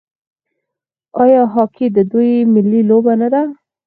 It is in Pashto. آیا هاکي د دوی ملي لوبه نه ده؟